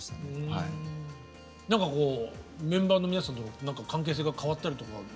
何かこうメンバーの皆さんと関係性が変わったりとか。